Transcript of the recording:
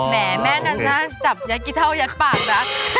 แม่นั้นนะจับยัดกี้เท่ายัดปากนะ